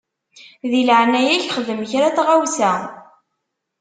Di leɛnaya-k xdem kra n tɣawsa.